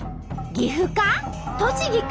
岐阜か？